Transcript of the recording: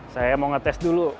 saya mau ngetes dulu